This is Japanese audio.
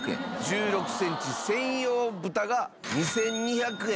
１６センチ専用蓋が２２００円。